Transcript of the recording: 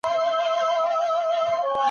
ایلټک وایي چې ساینس د څېړنې لپاره بنسټ دی.